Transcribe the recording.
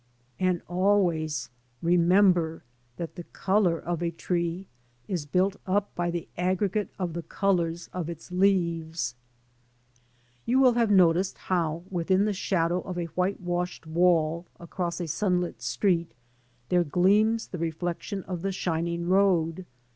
And always M 82 LANDSCAPE PAINTING IN OIL COLOUR. remember that the colour of a tree is built up by the aggregate of the colours of its leaves. You will have noticed how within the shadow of a white washed wall across a sun lit street, there gleams the reflection of the shining road.